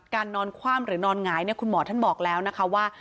นอนคว่ำหรือนอนหงายคุณหมอท่านบอกแล้วนะคะว่า